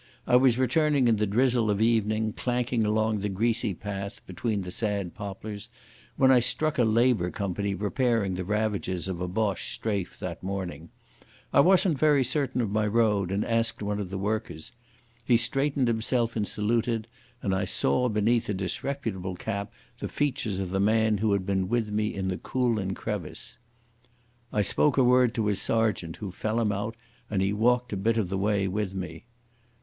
I was returning in the drizzle of evening, clanking along the greasy pavé between the sad poplars, when I struck a Labour company repairing the ravages of a Boche strafe that morning. I wasn't very certain of my road and asked one of the workers. He straightened himself and saluted, and I saw beneath a disreputable cap the features of the man who had been with me in the Coolin crevice. I spoke a word to his sergeant, who fell him out, and he walked a bit of the way with me.